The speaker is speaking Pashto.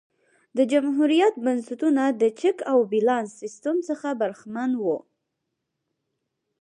د جمهوریت بنسټونه د چک او بیلانس سیستم څخه برخمن وو